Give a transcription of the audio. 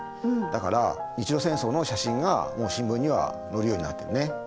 だから日露戦争の写真がもう新聞には載るようになってるね。